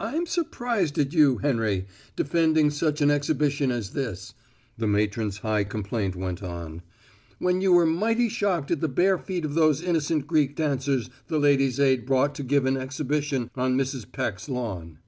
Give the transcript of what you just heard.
"I'm surprised at you, Henry, defending such an exhibition as this," the matron's high complaint went on, "when you were mighty shocked at the bare feet of those innocent Greek dancers the Ladies' Aid brought to give an exhibition on Mrs. Peck's lawn."